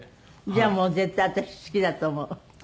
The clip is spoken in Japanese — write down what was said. じゃあもう絶対私好きだと思う。